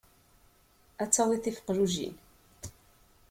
Ad d-tawiḍ tifeqlujin.